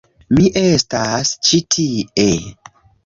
Mi estas ĉi tie...